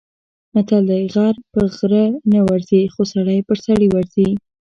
متل دی: غر په غره نه ورځي، خو سړی په سړي ورځي.